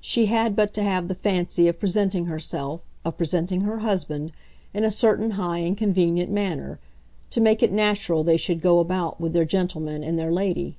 She had but to have the fancy of presenting herself, of presenting her husband, in a certain high and convenient manner, to make it natural they should go about with their gentleman and their lady.